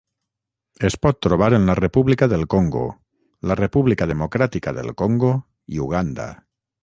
Es pot trobar en la República del Congo, la República Democràtica del Congo i Uganda.